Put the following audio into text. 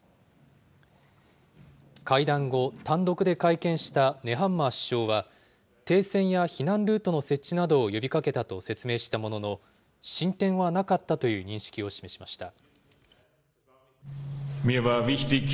会談後、単独で会見したネハンマー首相は、停戦や避難ルートの設置などを呼びかけたと説明したものの、進展はなかったという認識を示しました。